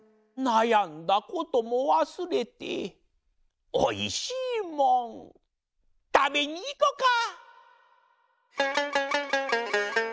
「なやんだこともわすれておいしいもんたべにいこか！」